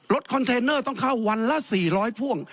คอนเทนเนอร์ต้องเข้าวันละ๔๐๐พ่วง